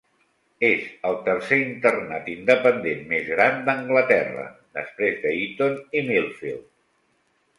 És el tercer internat independent més gran d'Anglaterra, després d'Eton i Millfield.